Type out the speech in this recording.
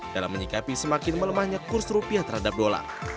dalam menyikapi semakin melemahnya kurs rupiah terhadap dolar